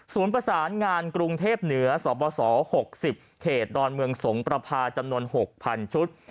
ประสานงานกรุงเทพเหนือสบส๖๐เขตดอนเมืองสงประพาจำนวน๖๐๐๐ชุด